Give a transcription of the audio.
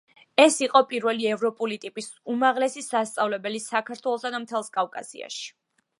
ეს იყო პირველი ევროპული ტიპის უმაღლესი სასწავლებელი საქართველოსა და მთელს კავკასიაში.